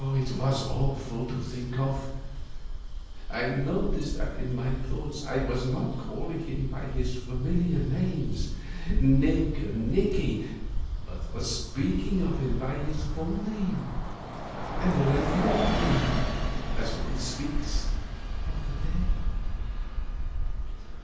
It was awful to think of. I noticed that in my thoughts I was not calling him by his familiar names, Nick and Nicky, but was speaking of him by his full name, and reverently, as one speaks of the dead.